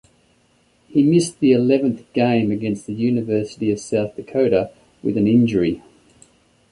He missed the eleventh game against the University of South Dakota with an injury.